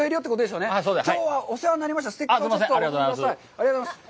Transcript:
ありがとうございます。